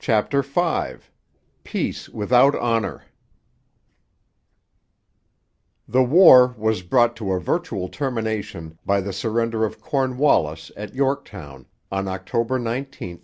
CHAPTER V PEACE WITHOUT HONOUR The war was brought to a virtual termination by the surrender of Cornwallis at Yorktown on October 19, 1781.